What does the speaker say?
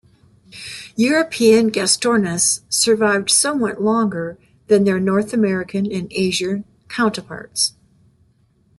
European "Gastornis" survived somewhat longer than their north american and asian counterparts.